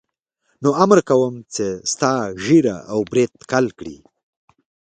نو امر کوم چې ستا ږیره او برېت کل کړي.